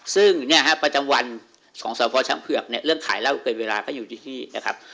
ซึ่งปัจจังวันของสพชเผือกเรื่องขายเหล้าเกินเวลาก็อยู่ที่นี่นะครับ